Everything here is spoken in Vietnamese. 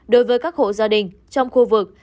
đối với các hộ gia đình trong khu vực